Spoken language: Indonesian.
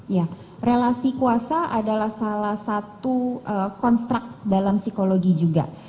ya relasi kuasa adalah salah satu konstrak dalam psikologi juga